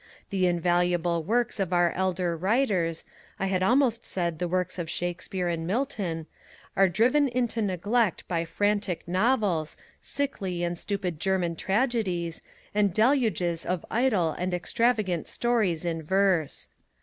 The invaluable works of our elder writers, I had almost said the works of Shakespeare and Milton, are driven into neglect by frantic novels, sickly and stupid German Tragedies, and deluges of idle and extravagant stories in verse.